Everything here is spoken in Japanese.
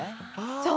そう！